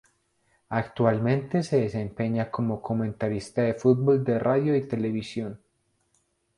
Actualmente se desempeña como comentarista de fútbol de radio y televisión.